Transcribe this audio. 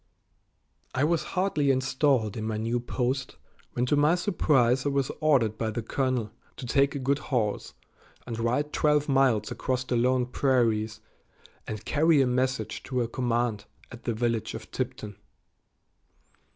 I was hardly installed in my new post when to my surprise I was ordered by the colonel to take a good horse and ride twelve miles across the lone prairies and carry a message to a command at the village of Tipton.